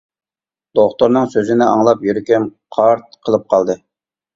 دوختۇرنىڭ سۆزىنى ئاڭلاپ يۈرىكىم «قارت» قىلىپ قالدى.